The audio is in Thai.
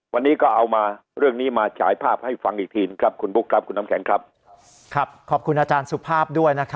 วันนี้ก็เอาเรื่องนี้มาชายภาพให้ฟังอีกทีครับคุณปุ๊กครับคุณน้ำแข็งครับ